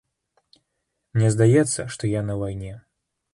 Мне здаецца, што я на вайне.